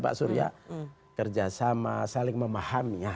pak surya kerjasama